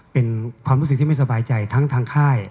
เป็นความรู้สึกที่ไม่สบายใจทั้งทางค่าย